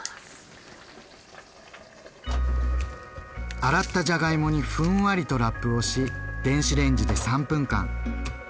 洗ったじゃがいもにふんわりとラップをし電子レンジで３分間。